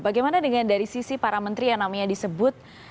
bagaimana dengan dari sisi para menteri yang namanya disebut